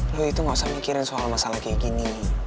loh itu gak usah mikirin soal masalah kayak gini